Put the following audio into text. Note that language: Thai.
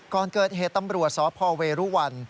ก่อนเกิดเหตุตำรวจสพเวรุวัน